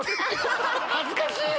恥ずかしい！